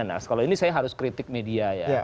nah kalau ini saya harus kritik media ya